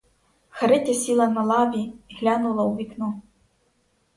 Харитя сіла на лаві і глянула у вікно.